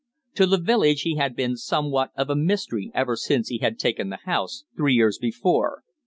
To the village he had been somewhat of a mystery ever since he had taken the house, three years before.